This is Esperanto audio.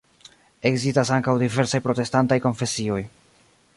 Ekzistas ankaŭ diversaj protestantaj konfesioj.